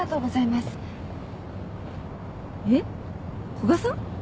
古賀さん？